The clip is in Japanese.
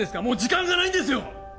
もう時間がないんですよ！